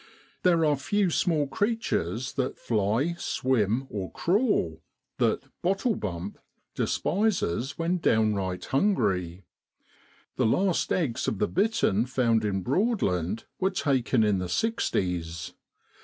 There are few small creatures that fly, swim, or crawl that ' bottlebump ' despises when downright hungry. The last eggs of the bittern found in Broadland were taken in the sixties.